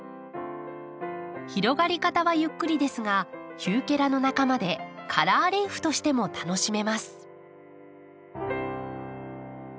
広がり方はゆっくりですがヒューケラの仲間でカラーリーフとしても楽しめます。